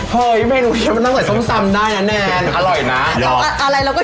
เฮ้ยเวนูนี้มันต้องใส่ส้มได้นะแนน